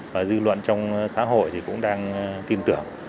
và dư luận trong xã hội thì cũng đang tin tưởng